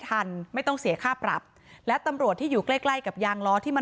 คนเห็นคลิปนี้ก็สงสัยว่าคำบุหรภาคทำไรกับยางรถหรือเปล่า